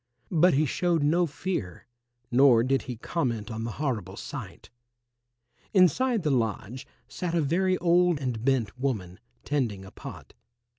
But he showed no fear nor did he comment on the horrible sight. Inside the lodge sat a very old and bent woman, tending a pot.